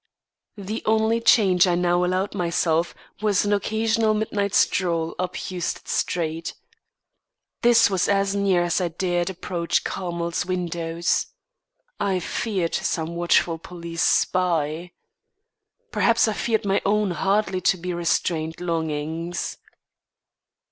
The only change I now allowed myself was an occasional midnight stroll up Huested Street. This was as near as I dared approach Carmel's windows. I feared some watchful police spy. Perhaps I feared my own hardly to be restrained longings.